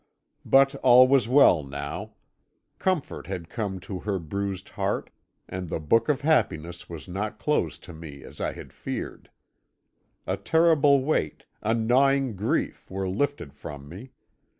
But all was well now: comfort had come to her bruised heart, and the book of happiness was not closed to me as I had feared. A terrible weight, a gnawing grief, were lifted from me.